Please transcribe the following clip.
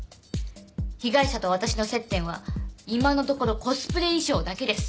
被害者と私の接点は今のところコスプレ衣装だけです。